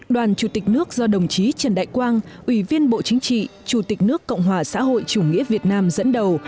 đoàn chủ tịch nước do đồng chí trần đại quang ủy viên bộ chính trị chủ tịch nước cộng hòa xã hội chủ nghĩa việt nam dẫn đầu